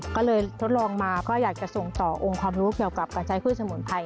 ก็เลยทดลองมาก็อยากจะส่งต่อองค์ความรู้เกี่ยวกับการใช้พืชสมุนไพร